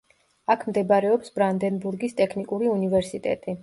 აქ მდებარეობს ბრანდენბურგის ტექნიკური უნივერსიტეტი.